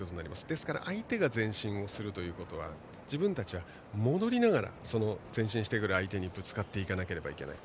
ですから相手が前進をするということは自分たちは戻りながら前進してくる相手にぶつかっていかなければいけない。